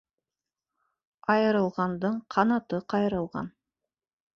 Айырылғандың ҡанаты ҡайырылған.